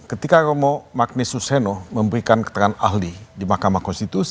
ketika romo magnes suseno memberikan keterangan ahli di mahkamah konstitusi